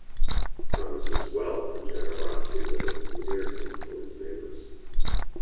Thomas's wealth and generosity with it endeared him to his neighbors.